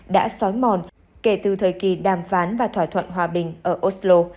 đã xói mòn kể từ thời kỳ đàm phán và thỏa thuận hòa bình ở oslo